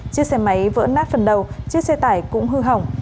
chiếc xe máy vỡ nát phần đầu chiếc xe tải cũng hư hỏng